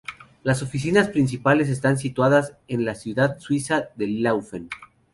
Las oficinas principales están situadas en la ciudad suiza de Laufen.